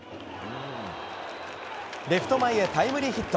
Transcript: レフト前へタイムリーヒット。